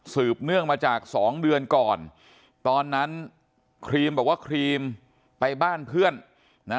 เนื่องมาจากสองเดือนก่อนตอนนั้นครีมบอกว่าครีมไปบ้านเพื่อนนะ